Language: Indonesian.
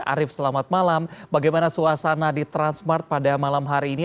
arief selamat malam bagaimana suasana di transmart pada malam hari ini